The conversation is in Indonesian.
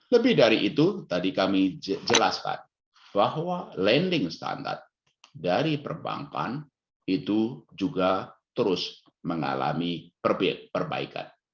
lebih dari itu tadi kami jelaskan bahwa landing standar dari perbankan itu juga terus mengalami perbaikan